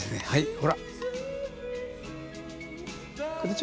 はい！